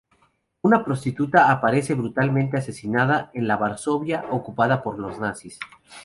Una prostituta aparece brutalmente asesinada en la Varsovia ocupada por los nazis.